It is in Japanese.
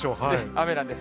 雨なんです。